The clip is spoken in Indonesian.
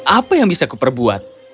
apa yang bisa kuperbuat